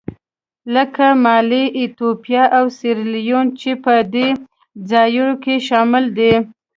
لکه مالي، ایتوپیا او سیریلیون چې په دې ځایونو کې شامل دي.